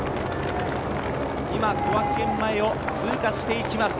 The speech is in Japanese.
今、小涌園前を通過していきます。